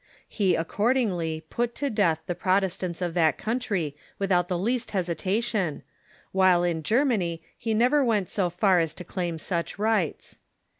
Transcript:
He, accordingly, put to death the Prot estants of that country Avithout the least hesitation, Avhile in Germany he ncA'er Avent so far as to claim such rights.